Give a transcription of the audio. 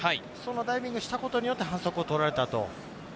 ダイビングしたことによって反則を取られたと。